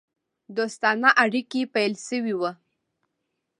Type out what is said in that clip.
دوستانه اړېکي پیل سوي وه.